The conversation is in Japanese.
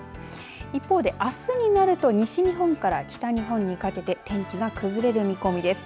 一方であすになると西日本から北日本にかけて天気が崩れる見込みです。